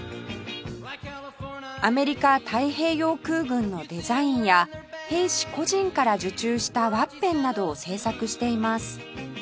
アメリカ太平洋空軍のデザインや兵士個人から受注したワッペンなどを製作しています